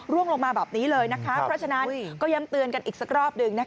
ลงมาแบบนี้เลยนะคะเพราะฉะนั้นก็ย้ำเตือนกันอีกสักรอบหนึ่ง